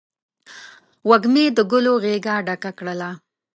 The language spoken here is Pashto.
وږمې د ګلو غیږه ډکه کړله